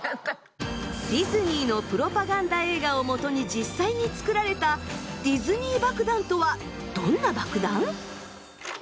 ディズニーのプロパガンダ映画をもとに実際に作られたディズニー爆弾とはどんな爆弾？